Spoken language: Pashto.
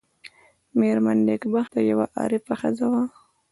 مېرمن نېکبخته یوه عارفه ښځه وه.